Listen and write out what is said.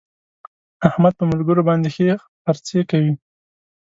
احمد په ملګرو باندې ښې خرڅې کوي.